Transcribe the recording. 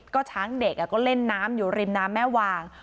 ก็ช้างเด็กก็เล่นน้ำอยู่ริมน้ำแม่วาง